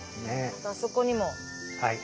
あそこにも。